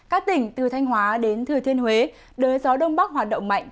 các tỉnh từ thanh hóa đến thừa thiên huế đời gió đông bắc hoạt động mạnh